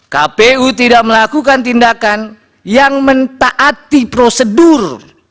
kpu tidak melakukan tindakan yang mentaati prosedur